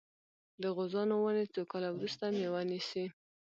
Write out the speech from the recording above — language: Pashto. د غوزانو ونې څو کاله وروسته میوه نیسي؟